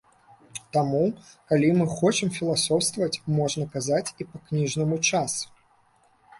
Таму, калі мы хочам філасофстваваць, можна казаць і па-кніжнаму час.